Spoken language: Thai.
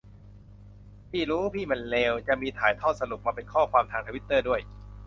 พี่รู้พี่มันเลว จะมีถ่ายทอดสรุปมาเป็นข้อความทางทวิตเตอร์ด้วย